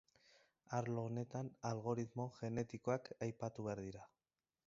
Arlo honetan algoritmo genetikoak aipatu behar dira.